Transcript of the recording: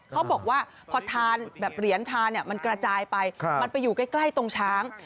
เขาบอกว่าพอทานแบบเหรียญทานมันกระจายไปมันไปอยู่ใกล้ตรงช้าง